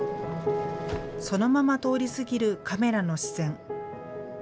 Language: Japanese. そのまま通り過ぎるカメラの視線。